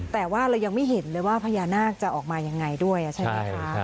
แต่ว่าเรายังไม่เห็นเลยว่าพญานาคจะออกมายังไงด้วยใช่ไหมคะ